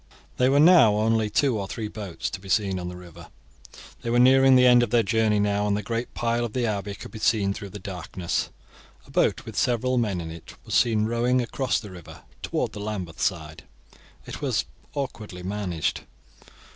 There were now only two or three boats to be seen on the river. They were nearing the end of their journey now, and the great pile of the Abbey could be seen through the darkness. A boat with several men in it was seen rowing across the river towards the Lambeth side. It was awkwardly managed.